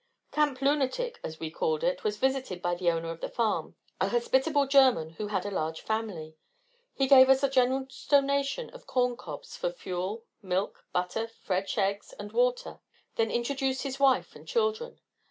Camp Lunatic, as we called it was visited by the owner of the farm, a hospitable German, who had a large family. He gave us a generous donation of corn cobs for fuel, milk, butter, fresh eggs, and water, then introduced his wife and children.